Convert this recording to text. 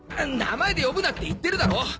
名前で呼ぶなって言ってるだろ！